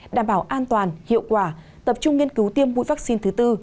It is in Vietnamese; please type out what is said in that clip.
đảm bảo an toàn hiệu quả tập trung nghiên cứu tiêm mũi vaccine thứ tư